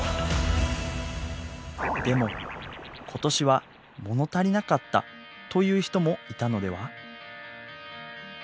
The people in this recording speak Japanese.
でも今年はものたりなかったという人もいたのでは？